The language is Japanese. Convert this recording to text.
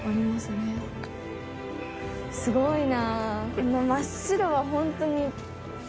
すごいな。